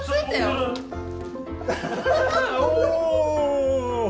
おお！